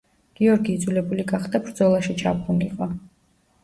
გიორგი იძულებული გახდა ბრძოლაში ჩაბმულიყო.